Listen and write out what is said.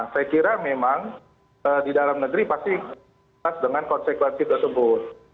saya kira memang di dalam negeri pasti dengan konsekuensi tersebut